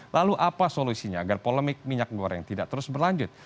lalu apa solusinya agar polemik minyak goreng tidak terus berlanjut